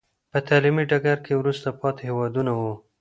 په تعلیمي ډګر کې وروسته پاتې هېوادونه وو.